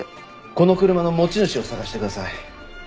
この車の持ち主を捜してください。